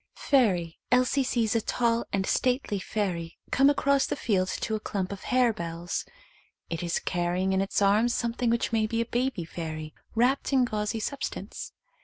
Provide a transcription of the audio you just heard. Fairy. Elsie sees a tall and stately fairy come across the field to a clump of harebells. It is carrying in its arms some thing which may be a baby fairy, wrapped in gauzy substance.